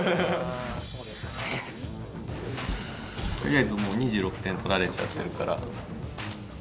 あそうですね。とりあえずもう２６点取られちゃってるから。